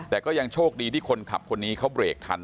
แต่ก็ยังโชคดีที่คนขับคนนี้เขาเบรกทัน